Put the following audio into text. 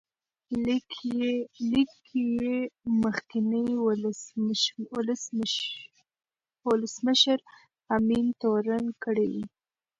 لیک کې یې مخکینی ولسمشر امین تورن کړی و.